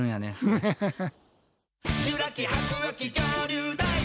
ハハハハ。